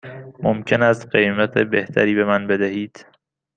ممکن است قیمت بهتری به من بدهید؟